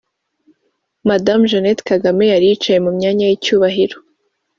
Madame Jeannette Kagame yari yicaye mu myanya y’icyubahiro